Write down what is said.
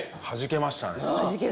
はじけました。